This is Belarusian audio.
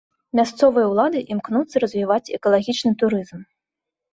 Мясцовыя ўлады імкнуцца развіваць экалагічны турызм.